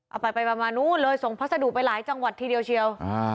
เอาไปไปประมาณนู้นเลยส่งพัสดุไปหลายจังหวัดทีเดียวเชียว